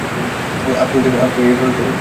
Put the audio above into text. আপনি এটা জানলেন কী করে?